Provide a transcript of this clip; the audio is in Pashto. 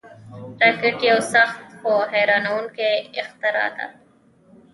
راکټ یو سخت، خو حیرانوونکی اختراع ده